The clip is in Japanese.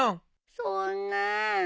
そんなあ。